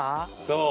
そう。